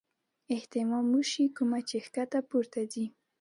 اهتمام اوشي کومه چې ښکته پورته ځي -